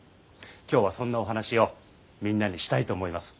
今日はそんなお話をみんなにしたいと思います。